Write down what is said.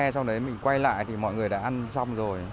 sau đấy mình quay lại thì mọi người đã ăn xong rồi